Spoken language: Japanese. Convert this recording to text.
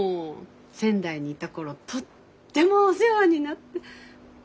仙台にいた頃とってもお世話になって。